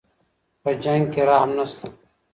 په جنګ کي رحم نسته.